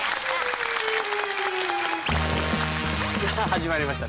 さあ始まりました